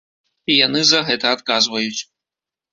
Яны за гэта адказваюць.